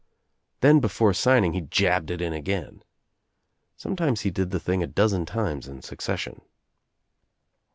Then before signing he jabbed it In again. Sometimes he did the thing a dozen times in succession.